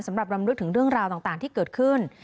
สำหรับรำลึกถึงเรื่องราวต่างที่เกิดขึ้น